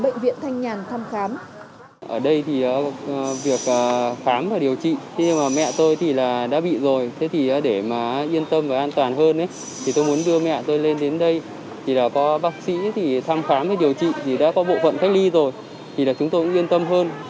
bệnh viện thanh nhàn thăm khám